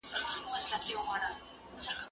هغه څوک چي اوبه څښي قوي وي!